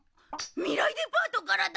未来デパートからだ！